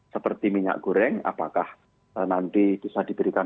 seperti minyak goreng apakah nanti bisa diberikan